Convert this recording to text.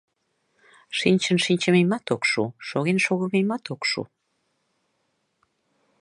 Шинчын шинчымемат ок шу, шоген шогымемат ок шу.